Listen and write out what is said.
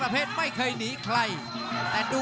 รับทราบบรรดาศักดิ์